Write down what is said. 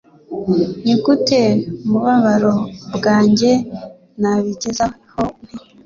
Nigute, mubabaro bwanjye, nabigezeho nte